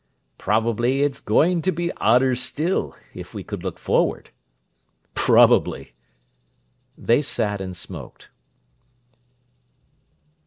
"Probably it's going to be odder still—if we could look forward." "Probably." They sat and smoked.